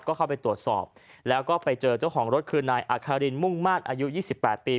ก็เข้าไปตรวจสอบแล้วก็ไปเจอเจ้าของรถคือนายอาคารินมุ่งมาตรอายุ๒๘ปี